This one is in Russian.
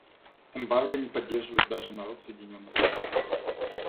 Эмбарго не поддерживает даже народ Соединенных Штатов.